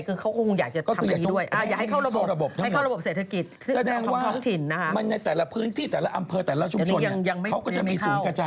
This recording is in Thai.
คือเขาก็คงอยากจะทำแบบนี้ด้วยอยากให้เข้าระบบเศรษฐกิจ